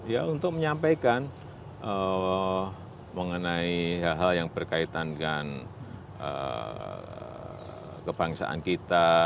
ya untuk menyampaikan mengenai hal hal yang berkaitan dengan kebangsaan kita